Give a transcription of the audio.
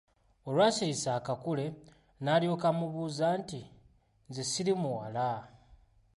Olwasirisa akakule n’alyoka amubuuza nti "Nze siri muwala".